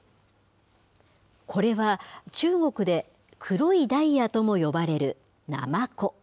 これは、中国で黒いダイヤとも呼ばれるナマコ。